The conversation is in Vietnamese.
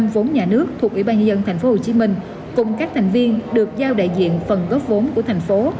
một trăm linh vốn nhà nước thuộc ủy ban nhà dân tp hcm cùng các thành viên được giao đại diện phần góp vốn của thành phố